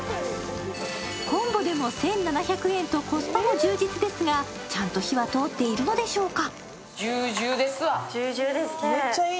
コンボでも１７００円とコスパも充実ですが、ちゃんと火は通っているのでしょうか。